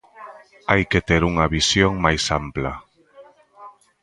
Hai que ter unha visión máis ampla.